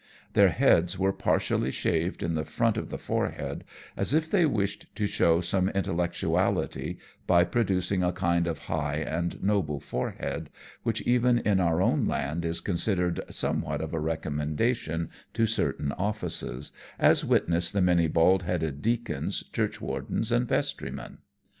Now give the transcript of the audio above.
Their heads were partially shaved in the front of the forehead, as if they wished to show some intellec tuality by producing a kind of high and noble forehead, which even in our own land is considered somewhat of a recommendation to certain offices, as witness the many baldheaded deacons, churchwardens and vestry men.